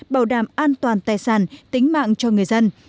bảo đảm an toàn tài sản tính mạng cho người dân